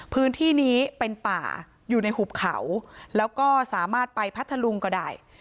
พื้นที่นี้เป็นป่าอยู่ในหุบเขาแล้วก็สามารถไปพัทธลุงก็ได้